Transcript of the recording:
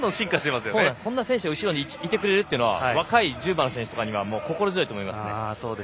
そんな選手がいてくれるのは若い１０番の選手とかには心強いと思います。